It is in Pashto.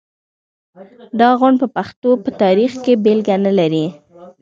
دا غونډ د پښتو په تاریخ کې بېلګه نلري.